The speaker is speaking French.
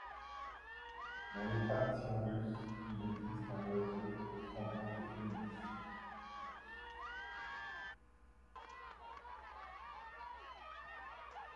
Dans les traditions russes, il existe un oiseau ressemblant au phénix.